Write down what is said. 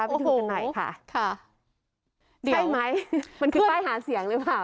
ไปดูกันหน่อยค่ะดีใช่ไหมมันคือป้ายหาเสียงหรือเปล่า